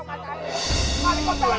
kamu punya sekarang